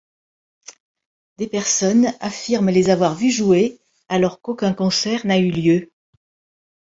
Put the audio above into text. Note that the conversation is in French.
Des personnes affirment les avoir vu jouer alors qu'aucun concert n'a eu lieu.